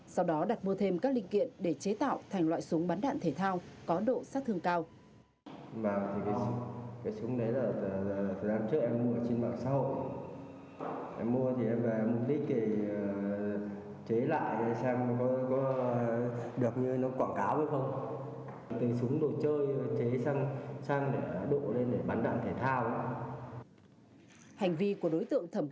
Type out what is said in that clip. sau đó đặt mua thêm các linh kiện để chế tạo thành loại súng bắn đạn thể thao có độ sát thương cao